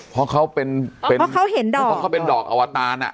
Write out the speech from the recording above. เพราะเขาเป็นเป็นเพราะเขาเห็นดอกเพราะเขาเป็นดอกอวตารอ่ะ